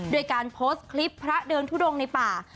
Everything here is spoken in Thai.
โดยการโพสต์คลิปพระเดินทุดงในป่า